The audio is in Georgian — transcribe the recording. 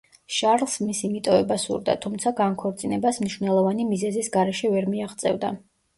შარლს მისი მიტოვება სურდა, თუმცა განქორწინებას მნიშვნელოვანი მიზეზის გარეშე ვერ მიაღწევდა.